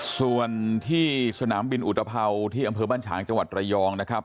ส่วนที่สนามบินอุตภัวที่อำเภอบ้านฉางจังหวัดระยองนะครับ